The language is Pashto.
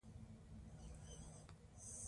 ملالۍ په جګړه کې برخه اخیستې.